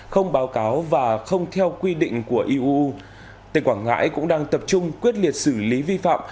không báo cáo và không theo quy định của eu tỉnh quảng ngãi cũng đang tập trung quyết liệt xử lý vi phạm